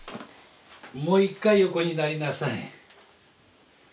もう一回横になりなさい。